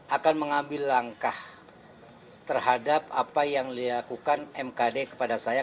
akan mengambil langkah terhadap apa yang dilakukan mkd kepada saya